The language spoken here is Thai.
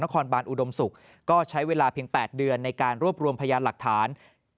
คอบานอุดมศุกร์ก็ใช้เวลาเพียง๘เดือนในการรวบรวมพยานหลักฐาน